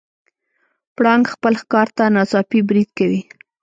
پړانګ خپل ښکار ته ناڅاپي برید کوي.